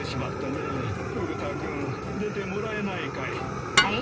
フグ田君出てもらえないかい？